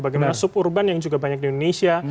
bagaimana suburban yang juga banyak di indonesia